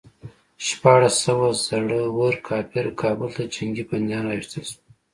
شپاړس سوه زړه ور کافر کابل ته جنګي بندیان راوستل شول.